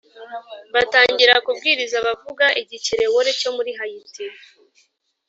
Batangira kubwiriza abavuga igikerewole cyo muri Hayiti